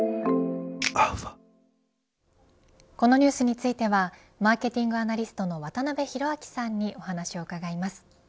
このニュースについてはマーケティングアナリストの渡辺広明さんにお話を伺います。